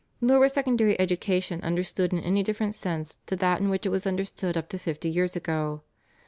Nor was secondary education understood in any different sense to that in which it was understood up to fifty years ago.